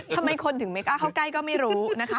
ทำไมคนถึงไม่กล้าเข้าใกล้ก็ไม่รู้นะคะ